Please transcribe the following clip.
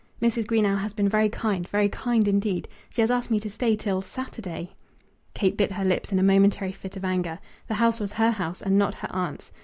"Mrs. Greenow has been very kind, very kind, indeed. She has asked me to stay till Saturday!" Kate bit her lips in a momentary fit of anger. The house was her house, and not her aunt's.